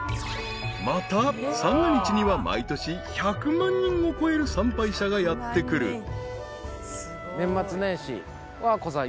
［また三が日には毎年１００万人を超える参拝者がやって来る］